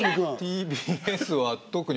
ＴＢＳは特に。